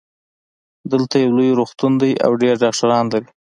دلته یو لوی روغتون ده او ډېر ډاکټران لری